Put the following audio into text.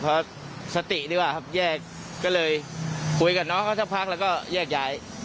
พอสติดีกว่าครับแยกก็เลยคุยกับน้องเขาสักพักแล้วก็แยกย้าย